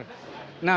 nah mudah mudahan nanti